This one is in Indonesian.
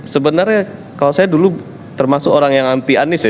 sebenarnya kalau saya dulu termasuk orang yang anti anies ya